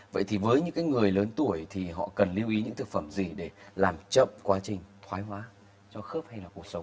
vậy thì với những người lớn tuổi thì họ cần lưu ý những thực phẩm gì để làm chậm quá trình thoái hóa cho khớp hay là cuộc sống